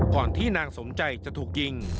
ที่นางสมใจจะถูกยิง